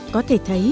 có thể thấy